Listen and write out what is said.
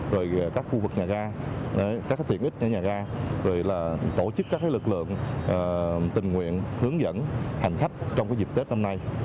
rồi các khu vực nhà ga các tiện ích nhà ga rồi là tổ chức các lực lượng tình nguyện hướng dẫn hành khách trong dịp tết năm nay